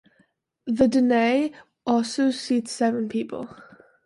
The dinette also seats seven people.